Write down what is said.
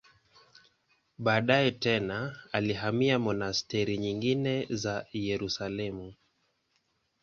Baadaye tena alihamia monasteri nyingine za Yerusalemu.